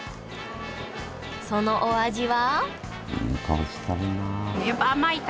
そのお味は？